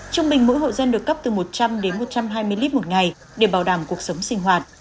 trung bình mỗi hộ dân được cấp từ một trăm linh đến một trăm hai mươi lít một ngày để bảo đảm cuộc sống sinh hoạt